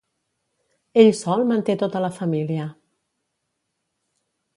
Ell sol manté tota la família.